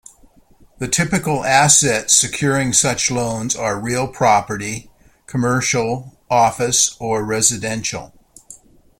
The typical assets securing such loans are real property - commercial, office or residential.